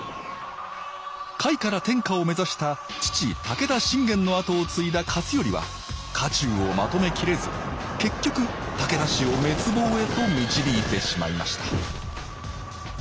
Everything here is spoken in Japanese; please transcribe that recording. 甲斐から天下を目指した父武田信玄の跡を継いだ勝頼は家中をまとめきれず結局武田氏を滅亡へと導いてしまいました